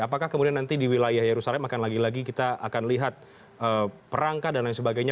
apakah kemudian nanti di wilayah yerusalem akan lagi lagi kita akan lihat perangkat dan lain sebagainya